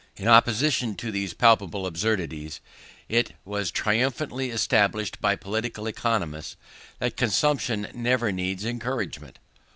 In opposition to these palpable absurdities, it was triumphantly established by political economists, that consumption never needs encouragement.